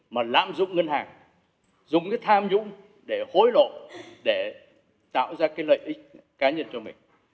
mà lạm dụng ngân hàng dùng cái tham nhũng để hối lộ để tạo ra cái lợi ích cá nhân cho mình